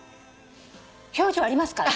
表情ありますから。